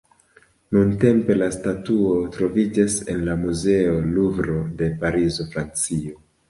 Nuntempe la statuo troviĝas en la Muzeo Luvro de Parizo, Francio.